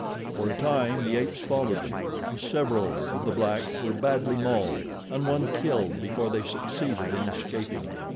For a time the apes followed them, and several of the blacks were badly mauled and one killed before they succeeded in escaping.